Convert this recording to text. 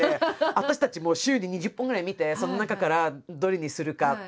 私たち週に２０本ぐらい見てその中からどれにするかっていう。